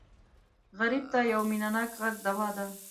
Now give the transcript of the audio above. غریب ته یو مینهناک غږ دوا ده